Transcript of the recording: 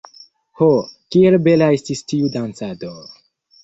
Ho, kiel bela estis tiu dancado!